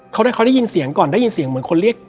เขาได้ยินเสียงก่อนได้ยินเสียงเหมือนคนเรียก